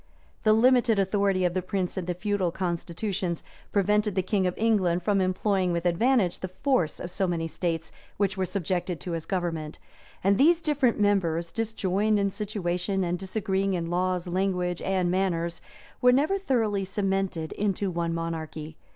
The limited authority of the prince in the feudal constitutions, prevented the king of England from employing with advantage the force of so many states which were subjected to his government; and these different members, disjoined in situation, and disagreeing in laws, language, and manners, were never thoroughly cemented into one monarchy.